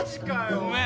ごめん。